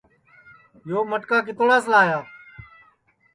یو مٹکا کِتوڑاس لایا